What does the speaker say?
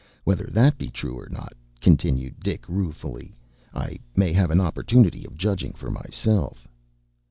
Whether that be true or not,” continued Dick, ruefully, “I may have an opportunity of judging for myself.